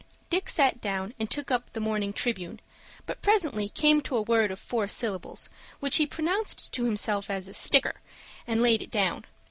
Dick sat down and took up the morning "Tribune," but presently came to a word of four syllables, which he pronounced to himself a "sticker," and laid it down.